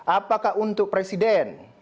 apakah untuk presiden